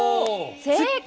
正解！